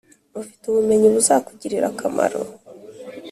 ufite ubumenyi buzakugirira akamaro